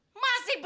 kau mau ngasih apa